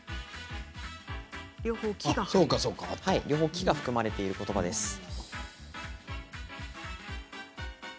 両方「き」が含まれていることばです。